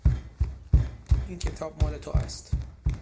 این کتاب مال تو است.